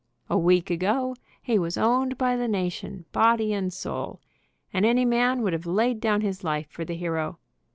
A week ago he was 'owned by the na tion, body and soul, and any man would have laid down his life for the hero.